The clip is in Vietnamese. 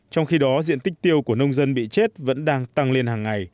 trong khi đó diện tích tiêu của nông dân bị chết vẫn đang tăng lên hàng ngày